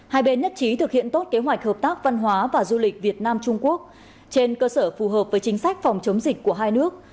hai bên nhất trí thực hiện tốt kế hoạch hợp tác văn hóa và du lịch việt nam trung quốc trên cơ sở phù hợp với chính sách phòng chống dịch của hai nước